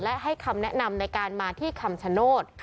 และให้คำแนะนำในการมาที่คำชโนธ